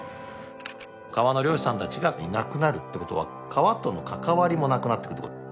川の漁師さんたちがいなくなるってことは川との関わりもなくなってくるということ。